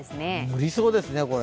無理そうですね。